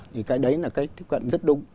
thì cái đấy là cái tiếp cận rất đúng